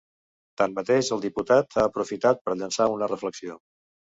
Tanmateix, el diputat ha aprofitat per llençar una reflexió.